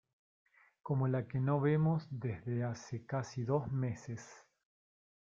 como la que no vemos desde hace casi dos meses.